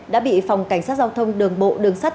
đã bị phòng cảnh sát giao thông đường bộ đường sắt